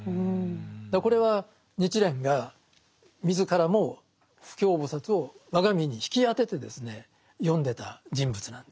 これは日蓮が自らも不軽菩薩を我が身に引き当てて読んでた人物なんです。